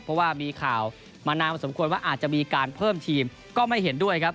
เพราะว่ามีข่าวมานานพอสมควรว่าอาจจะมีการเพิ่มทีมก็ไม่เห็นด้วยครับ